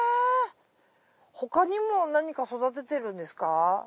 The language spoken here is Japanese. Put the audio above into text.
他にも何か育ててるんですか？